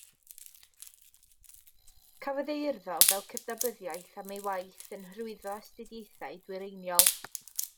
Cafodd ei urddo fel cydnabyddiaeth am ei waith yn hyrwyddo astudiaethau dwyreiniol.